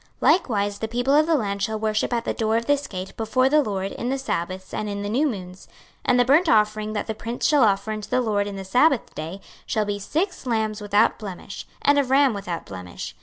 26:046:003 Likewise the people of the land shall worship at the door of this gate before the LORD in the sabbaths and in the new moons. 26:046:004 And the burnt offering that the prince shall offer unto the LORD in the sabbath day shall be six lambs without blemish, and a ram without blemish.